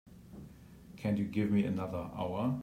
Can't you give me another hour?